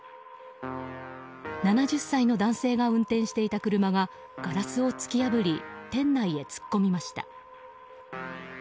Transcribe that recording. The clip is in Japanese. ７０歳の男性が運転していた車がガラスを突き破り店内へ突っ込みました。